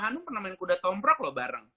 hanum pernah main kuda tomprok loh bareng